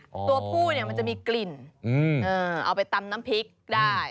ตัวผู้เนี่ยมันจะมีกลิ่นเอาไปตำน้ำพริกได้